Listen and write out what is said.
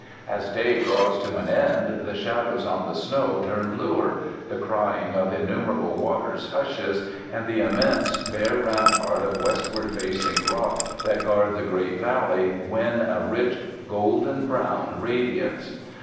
As day draws to an end the shadows on the snow turn bluer, the crying of innumerable waters hushes, and the immense, bare ramparts of westward facing rock that guard the great valley win a rich, golden brown radiance.